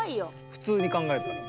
普通に考えたら。